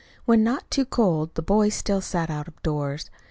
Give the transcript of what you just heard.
When not too cold, the boys still sat out of doors.